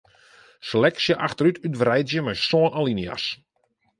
Seleksje achterút útwreidzje mei sân alinea's.